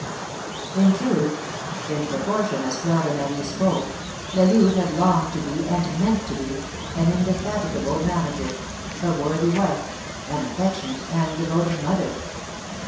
In truth, in proportion as Fleur de Marie spoke, La Louve had longed to be, and meant to be, an indefatigable manager, a worthy wife, an affectionate and devoted mother.